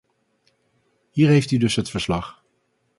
Hier heeft u dus het verslag.